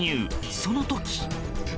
その時。